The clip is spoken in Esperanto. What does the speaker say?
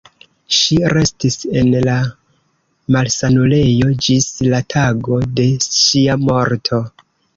Ŝi restis en la malsanulejo ĝis la tago de ŝia morto.